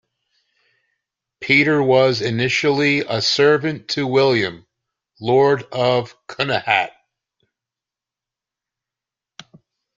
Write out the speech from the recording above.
Peter was initially a servant to William, Lord of Cunhiat.